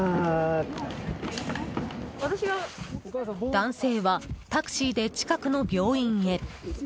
男性はタクシーで近くの病院へ。